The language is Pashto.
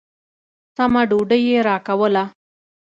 سمه ډوډۍ يې راکوله.